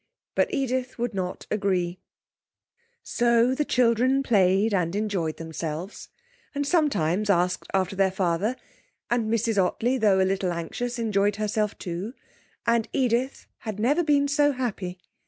But Edith would not agree. So the children played and enjoyed themselves, and sometimes asked after their father, and Mrs Ottley, though a little anxious, enjoyed herself too, and Edith had never been so happy.